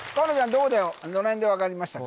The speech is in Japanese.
どこでどのへんで分かりましたか？